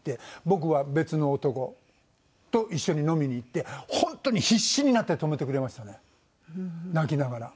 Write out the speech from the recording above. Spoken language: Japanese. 僕は別の男と一緒に飲みに行って本当に必死になって止めてくれましたね泣きながら。